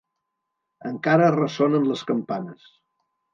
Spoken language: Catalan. Encara ressonen les campanes.